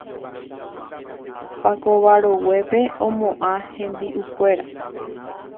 Pakova roguépe omoʼã hembiʼukuéra.